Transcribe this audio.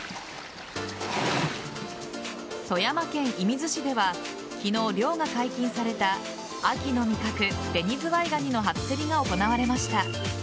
富山県射水市では昨日、漁が解禁された秋の味覚・ベニズワイガニの初競りが行われました。